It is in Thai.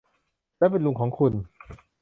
และเป็นลุงของคุณ